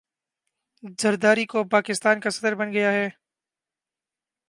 ذرداری گو پاکستان کا صدر بن گیا ہے